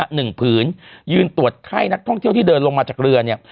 หนึ่งผืนยืนตรวจไข้นักท่องเที่ยวที่เดินลงมาจากเรือเนี่ย